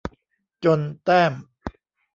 จนแต้ม